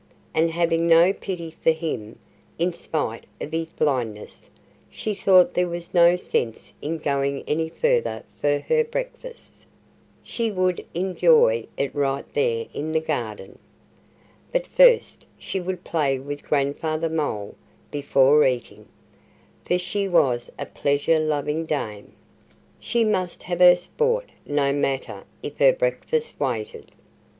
And having no pity for him in spite of his blindness she thought there was no sense in going any further for her breakfast. She would enjoy it right there in the garden. But first she would play with Grandfather Mole, before eating. For she was a pleasure loving dame. She must have her sport, no matter if her breakfast waited.